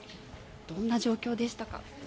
どんな状況でしたか？